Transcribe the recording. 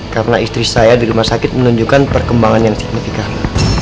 karena istri saya di rumah sakit menunjukkan perkembangan yang signifikan